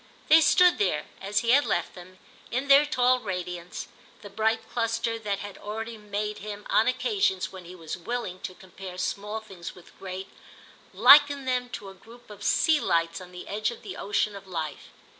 They stood there, as he had left them, in their tall radiance, the bright cluster that had already made him, on occasions when he was willing to compare small things with great, liken them to a group of sea lights on the edge of the ocean of life.